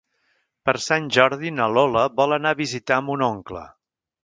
Per Sant Jordi na Lola vol anar a visitar mon oncle.